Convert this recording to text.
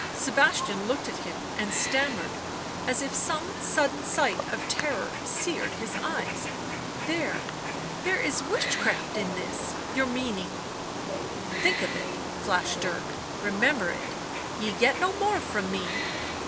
Sebastian looked at him and stammered, as if some sudden sight of terror seared his eyes. " There — there is witchcraft in this — your meaning " "Think of it!" flashed Dirk. "Remember it! Ye get no more from me."